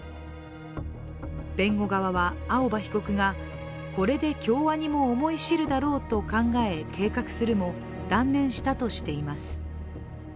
弁護側は青葉被告が、これで京アニも思い知るだろうと考え計画するも断念したとしています。